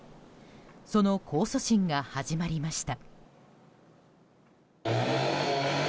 その控訴審が始まりました。